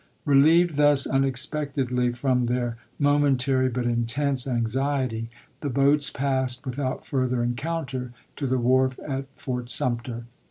Believed thus unexpectedly from their momen tary but intense anxiety, the boats passed without further encounter to the wharf at Fort Sumter.